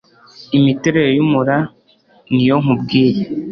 Imiterere y'umura niyo nkubwiye